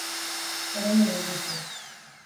Orain edo inoiz ez.